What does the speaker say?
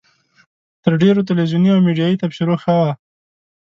تر ډېرو تلویزیوني او میډیایي تبصرو ښه وه.